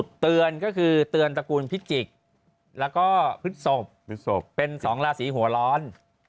เตือนก็คือเตือนตระกูลพิจิกแล้วก็พฤศพเป็นสองราศีหัวร้อน